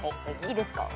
いいですか？